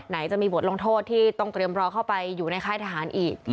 จะมีบทลงโทษที่ต้องเตรียมรอเข้าไปอยู่ในค่ายทหารอีก